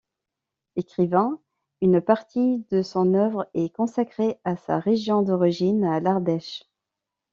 Écrivain, une partie de son œuvre est consacrée à sa région d'origine, l'Ardèche.